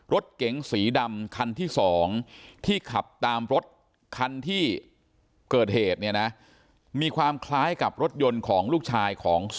รถเก๋งสีดำคันที่๒ที่ขับตามรถคันที่เกิดเหตุเนี่ยนะมีความคล้ายกับรถยนต์ของลูกชายของ